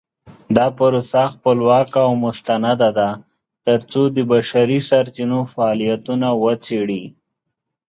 دا پروسه خپلواکه او مستنده ده ترڅو د بشري سرچینو فعالیتونه وڅیړي.